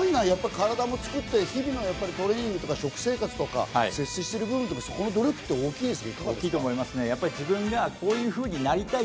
体も作って、トレーニングとか食生活とか節制してる部分の努力って大きいですか？